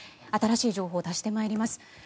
新しい情報を足してまいります。